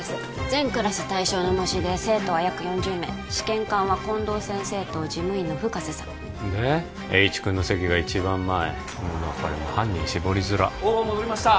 全クラス対象の模試で生徒は約４０名試験官は近藤先生と事務員の深瀬さんで栄一君の席が一番前うわこれもう犯人絞りづらっ大庭戻りました